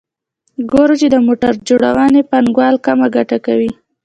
ګورو چې د موټر جوړونې پانګوال کمه ګټه کوي